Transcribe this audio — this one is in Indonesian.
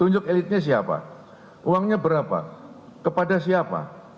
tunjuk elitnya siapa uangnya berapa kepada siapa